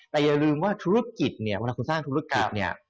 แต่อย่าลืมว่าธุรกิจเนี่ยเวลาคุณสร้างธุรกิจเนี่ย